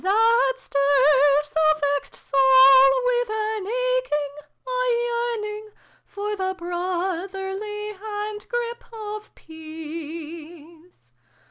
That stirs the vexed soul with an aching a yearning For the brotherly hand grip of peace